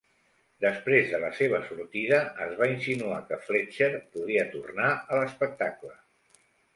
Després de la seva sortida, es va insinuar que Fletcher podria tornar a l"espectacle.